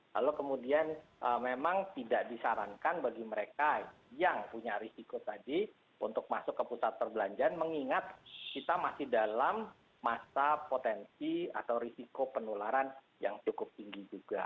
lalu kemudian memang tidak disarankan bagi mereka yang punya risiko tadi untuk masuk ke pusat perbelanjaan mengingat kita masih dalam masa potensi atau risiko penularan yang cukup tinggi juga